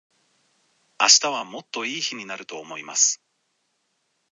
明日はもっと良い日になると思います。